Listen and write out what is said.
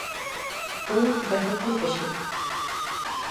Ул бәхетле кеше